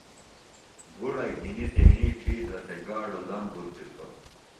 بھُڑہ گِھنیۡ تیݨی ڇھیترہ تھےۡ گاڈو لمبر دِتوۡ۔